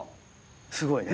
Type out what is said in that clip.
すごいね。